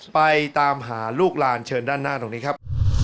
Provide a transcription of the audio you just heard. ไปตามหาลูกหลานเชิญด้านหน้าตรงนี้ครับ